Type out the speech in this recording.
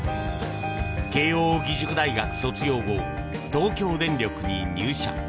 慶應義塾大学卒業後東京電力に入社。